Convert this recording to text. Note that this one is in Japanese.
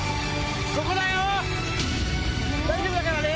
大丈夫だからね！